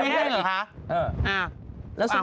คุณไม่เลือกเหรอคะ